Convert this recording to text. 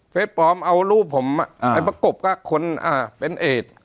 เฟซปอล์มเอารูปผมไอบะกบก็คนน่ะเป็นเอจ